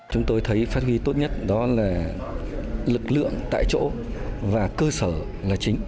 chúng tôi thấy phát huy tốt nhất đó là lực lượng tại chỗ và cơ sở là chính